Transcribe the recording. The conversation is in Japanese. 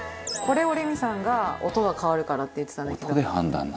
これをレミさんが音が変わるからって言ってたんだけど。